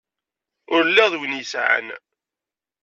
Ur lliɣ d win yesɛan.